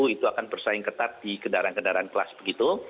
itu akan bersaing ketat di kendaraan kendaraan kelas begitu